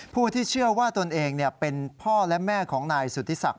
ผู้ที่เชื่อว่าตนเองเป็นพ่อและแม่ของนายสุธิศักดิ